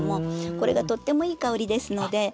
これがとってもいい香りですので。